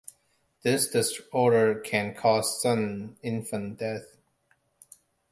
This disorder can cause sudden infant death.